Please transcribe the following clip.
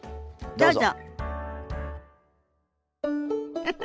どうぞ。